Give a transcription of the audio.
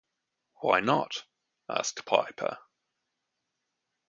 “Why not?” asked Piper.